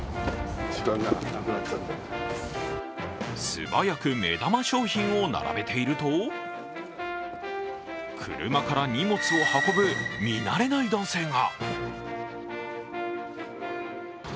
素早く目玉商品を並べていると車から荷物を運ぶ見慣れない男性が。